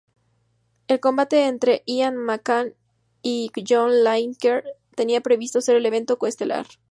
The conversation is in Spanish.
El combate entre Ian McCall y John Lineker tenía previsto ser el evento co-estelar.